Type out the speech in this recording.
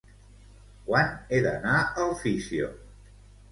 Quan he d'anar al físio?